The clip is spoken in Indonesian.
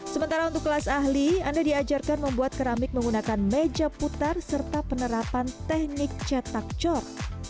sementara untuk kelas ahli anda diajarkan membuat keramik menggunakan meja putar serta penerapan teknik cetak cor